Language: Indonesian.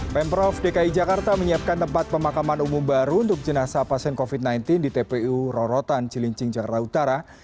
pemprov dki jakarta menyiapkan tempat pemakaman umum baru untuk jenazah pasien covid sembilan belas di tpu rorotan cilincing jakarta utara